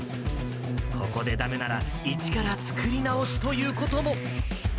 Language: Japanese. ここでだめなら、一から作り直しということも。